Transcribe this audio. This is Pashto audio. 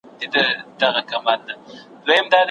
کارخانې څنګه د کارکوونکو روزنه ښه کوي؟